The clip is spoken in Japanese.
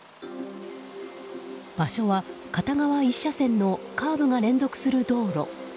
場所は片側１車線のカーブが連続する道路。